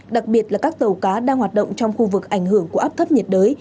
đặc biệt là các tàu cá đang hoạt động trong khu vực ảnh hưởng của áp thấp nhiệt đới